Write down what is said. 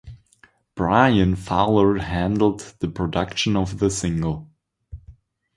Bryan Fowler handled the production of the single.